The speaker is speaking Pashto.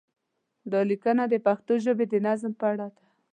دا لیکنه د پښتو ژبې د نظم په اړه ده.